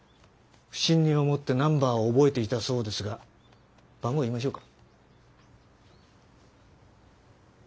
不審に思ってナンバーを覚えていたそうですが番号言いましょうか？